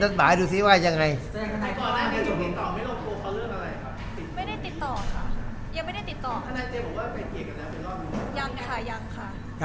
ยังรู้ได้เกียรติกันแล้วไม่ต้องโทรเข้าเรื่องอะไรยังค่ะยังค่ะ